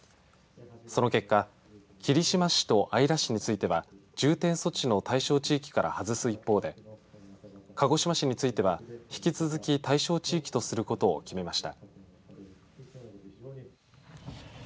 その結果霧島市と姶良市については重点措置の対象地域からはずす一方で鹿児島市については引き続き対象地域とすることを決めました。